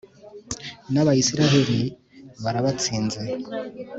n'abayisraheli barabatsinze